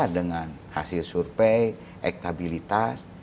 dengan hasil survei ekstabilitas